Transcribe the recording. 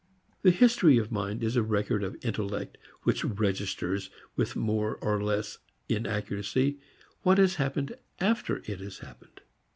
The history of mind is a record of intellect which registers, with more or less inaccuracy, what has happened after it has happened.